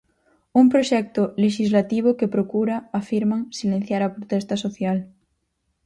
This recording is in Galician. Un proxecto lexislativo que procura, afirman, silenciar a protesta social.